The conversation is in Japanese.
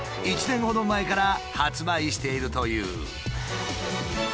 １年ほど前から発売しているという。